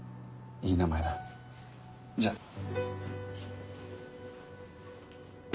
いい名前だじゃあ。